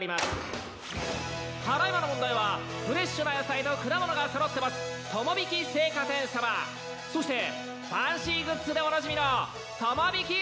ただ今の問題はフレッシュな野菜と果物が揃ってます友引青果店さまそしてファンシーグッズでおなじみの友引文具店さまでした！